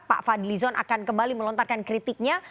pak fadlizon akan kembali melontarkan kritiknya